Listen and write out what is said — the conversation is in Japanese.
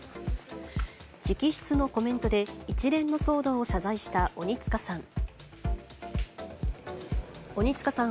直筆のコメントで一連の騒動を謝罪した鬼束さん。